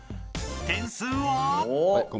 点数は。